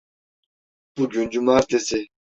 Bugün cumartesi.